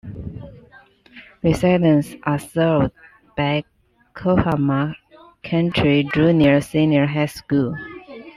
Residents are served by Coahoma County Junior-Senior High School.